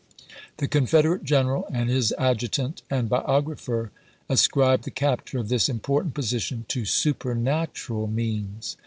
The Confederate general and his adjutant and biographer ascribed the capture of this important position to supernatural means.